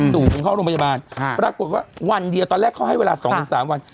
ส่งถึงเข้าโรงพยาบาลปรากฏว่าวันเดียวตอนแรกเขาให้เวลา๒๓วัน